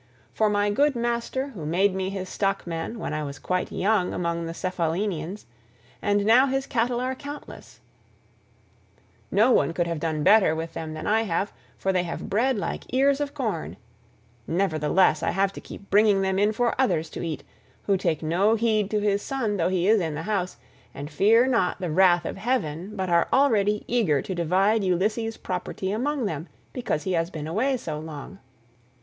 for my good master, who made me his stockman when I was quite young among the Cephallenians, and now his cattle are countless; no one could have done better with them than I have, for they have bred like ears of corn; nevertheless I have to keep bringing them in for others to eat, who take no heed to his son though he is in the house, and fear not the wrath of heaven, but are already eager to divide Ulysses' property among them because he has been away so long.